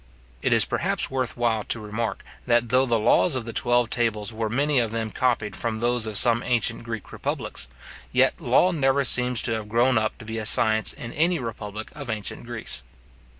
It is, perhaps, worth while to remark, that though the laws of the twelve tables were many of them copied from those of some ancient Greek republics, yet law never seems to have grown up to be a science in any republic of ancient Greece.